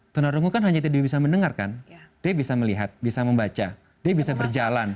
tuna rungu kan hanya dia bisa mendengarkan dia bisa melihat bisa membaca dia bisa berjalan